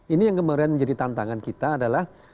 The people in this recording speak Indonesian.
ini yang kemarin menjadi tantangan kita adalah